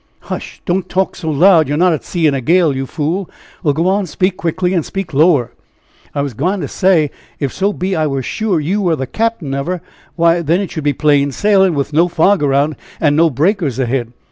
"Hush! don't talk so loud. You're not at sea in a gale, you fool. Well, go on. Speak quickly and speak lower." "I wer' gwine to say, if so be I wer' sure you wer' the cap'n of her, why then it should be plain sailing, with no fog around, and no breakers ahead."